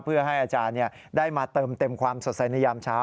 เพื่อให้อาจารย์ได้มาเติมเต็มความสดใสในยามเช้า